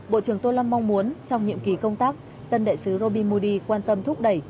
bộ trưởng tô lâm mong muốn trong nhiệm kỳ công tác tân đại sứ robi modi quan tâm thúc đẩy